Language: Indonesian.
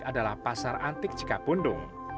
adalah pasar antik cikapundung